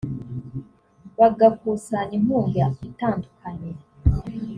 bagakusanya inkunga itandukanye